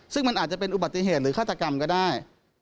ซึ่งมันอาจจะเป็นอุบัติเหตุหรือฆาตกรรมก็ได้